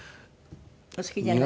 お好きじゃない？